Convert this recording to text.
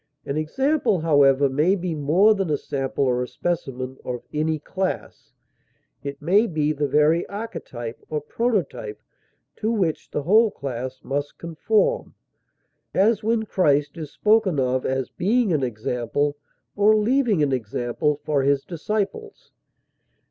An example, however, may be more than a sample or specimen of any class; it may be the very archetype or prototype to which the whole class must conform, as when Christ is spoken of as being an example or leaving an example for his disciples.